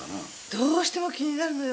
どうしても気になるのよ。